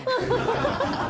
ハハハハ！